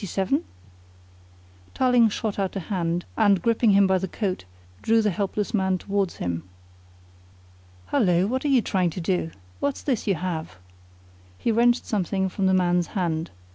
Tarling shot out a hand, and gripping him by the coat, drew the helpless man towards him. "Hullo, what are you trying to do? What's this you have?" He wrenched something from the man's hand.